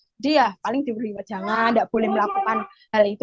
jadi ya paling diberi wajangan tidak boleh melakukan hal itu